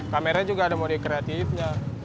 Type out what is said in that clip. kamera juga ada mode kreatifnya